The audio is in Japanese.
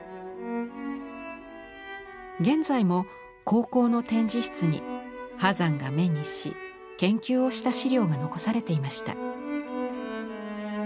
現在も高校の展示室に波山が目にし研究をした資料が残されていました。